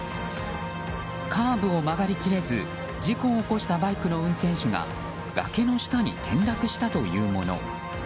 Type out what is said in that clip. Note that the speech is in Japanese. カーブを曲がり切れず事故を起こしたバイクの運転手が崖の下に転落したというもの。